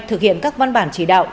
thực hiện các văn bản chỉ đạo